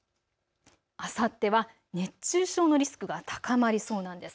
あさっては熱中症のリスクが高まりそうなんです。